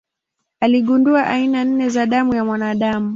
Aligundua aina nne za damu ya mwanadamu.